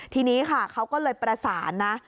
ทีนี้ค่ะเขาก็เลยประสานนะ